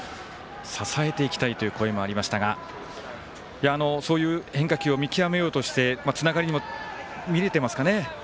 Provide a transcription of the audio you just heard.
支えていきたいという声もありましたがそういう変化球を見極めようとしてつながりも見えていますかね。